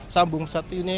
sambung pesawat ini